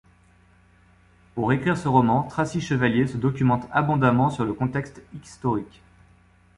Pour écrire ce roman, Tracy Chevalier se documente abondamment sur le contexte historique.